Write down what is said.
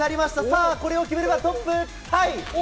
さあ、これを決めればトップタイ。